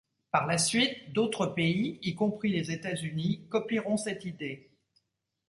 Par la suite, d'autres pays, y compris les États-Unis, copieront cette idée.